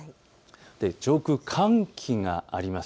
上空、寒気があります。